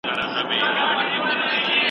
که څېړونکی رښتیا ووایي نو خلک پرې باور کوي.